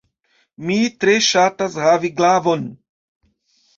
Mi tre ŝatas havi glavon.